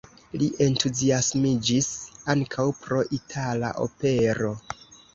Li entuziasmiĝis ankaŭ pro itala opero.